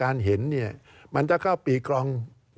การเลือกตั้งครั้งนี้แน่